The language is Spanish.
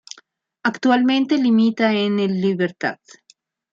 Actualmente limita en el Libertad.